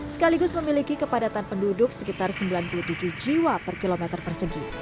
sekaligus memiliki kepadatan penduduk sekitar sembilan puluh tujuh jiwa per kilometer persegi